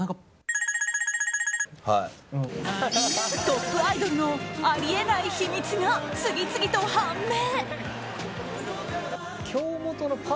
トップアイドルのあり得ない秘密が次々と判明。